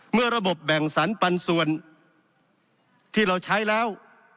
เมื่อระบบแบ่งสรรปันส่วนที่เราใช้แล้ว